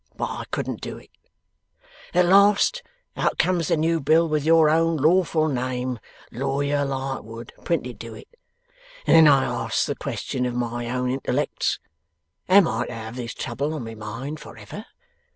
but I couldn't do it. At last, out comes the new bill with your own lawful name, Lawyer Lightwood, printed to it, and then I asks the question of my own intellects, Am I to have this trouble on my mind for ever?